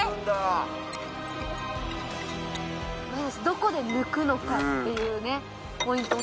どこで抜くのかっていうね。